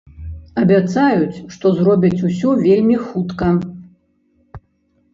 Абяцаюць, што зробяць усё вельмі хутка.